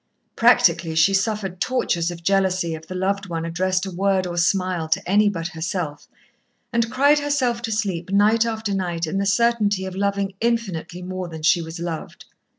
Practically she suffered tortures of jealousy if the loved one addressed a word or smile to any but herself, and cried herself to sleep night after night in the certainty of loving infinitely more than she was loved.